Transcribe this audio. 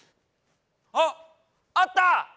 あっあった！